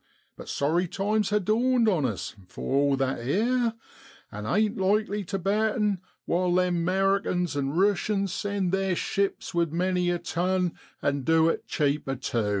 But sorry times ha' dawned on us, for all that 'ere, and ain't likely tu bettern while them 'Mericans an' Eooshens send theer ships with many a ton, and du it cheaper, tu.